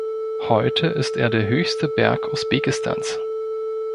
Heute ist er der höchste Berg Usbekistans.